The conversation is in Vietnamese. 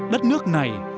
đất nước này